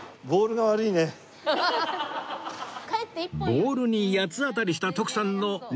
ボールに八つ当たりした徳さんの２投目は